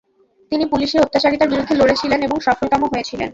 তিনি পুলিশি অত্যাচারিতার বিরুদ্ধে লড়েছিলেন এবং সফলকামও হয়েছিলেন।